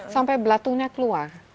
sampai belatungnya keluar